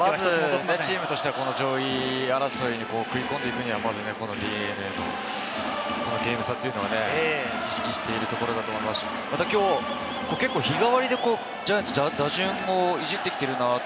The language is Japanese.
まず上位争いに食い込んでいくには、まずＤｅＮＡ、このゲーム差というのは意識しているところだと思いますし、またきょう結構日替わりでジャイアンツ、打順をいじってきてるなと。